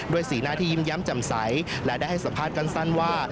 สีหน้าที่ยิ้มแย้มจำใสและได้ให้สัมภาษณ์สั้นว่า